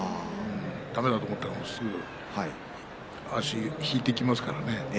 だめだと思ったらすぐまわしを引いていきますからね。